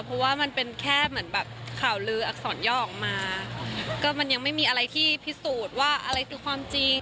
เพราะว่ามันเป็นแค่เหมือนแบบข่าวลืออักษรย่อออกมาก็มันยังไม่มีอะไรที่พิสูจน์ว่าอะไรคือความจริง